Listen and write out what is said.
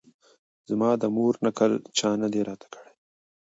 زما د مور نکل چا نه دی راته کړی